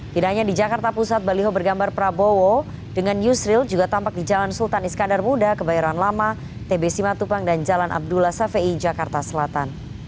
tidak hanya di jakarta pusat baliho bergambar prabowo dengan yusril juga tampak di jalan sultan iskandar muda kebayoran lama tb simatupang dan jalan abdullah safei jakarta selatan